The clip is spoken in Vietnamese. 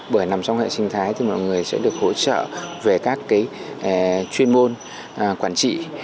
bởi nằm trong hệ sinh thái thì mọi người sẽ được hỗ trợ về các chuyên môn quản trị